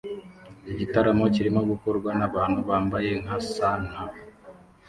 Igitaramo kirimo gukorwa nabantu bambaye nka santa